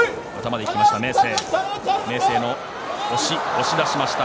押し出しました。